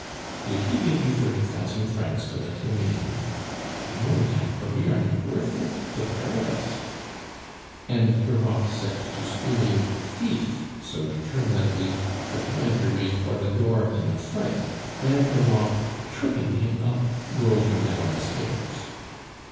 "Did he give you thirty thousand francs to let him in?" "No, madame, for we are not worth it, the pair of us." And Europe set to screaming "Thief" so determinedly, that the banker made for the door in a fright, and Europe, tripping him up, rolled him down the stairs.